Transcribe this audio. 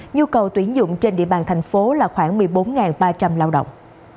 nhu cầu tuyển dụng trên địa bàn thành phố là khoảng một mươi bốn ba trăm linh lao động